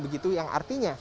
begitu yang artinya